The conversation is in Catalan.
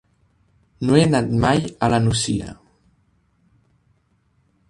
No he anat mai a la Nucia.